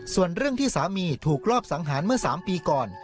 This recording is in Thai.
ส่วนเรื่องที่สามีถูกรอบสังหารเมื่อ๓ปีก่อน